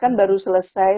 kan baru selesai